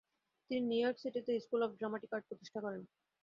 তিনি New York সিটিতে school of dramatic art প্রতিষ্ঠা করেন।